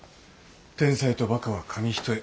天才とバカは紙一重。